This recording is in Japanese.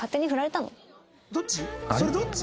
どっち？